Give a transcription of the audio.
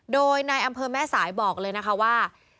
โดยนายอำเภอแม่สายบอกเลยว่า